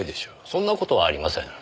そんな事はありません。